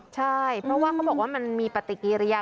ใช่เพราะว่าเขาบอกว่ามันมีปฏิกิริยา